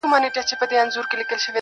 ميئن د كلي پر انجونو يمه.